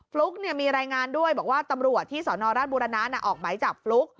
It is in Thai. ฟลุ๊กมีรายงานด้วยบอกว่าตำรวจที่สนราชบุรณะออกไหมจับฟลุ๊ก